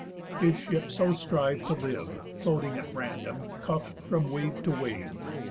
His ship so striv'd to live, Floating at random, cuff'd from wave to wave.